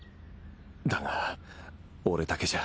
だが俺だけじゃ